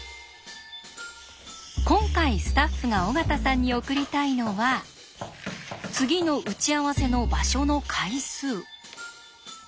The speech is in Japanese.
今回スタッフが尾形さんに送りたいのは次の打ち合わせの場所の階数。